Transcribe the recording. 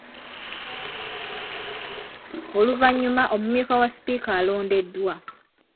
Oluvannyuma omumyuka wa sipiika alondeddwa .